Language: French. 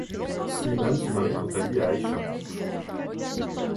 Slimane se marie quant à lui à Aïcha.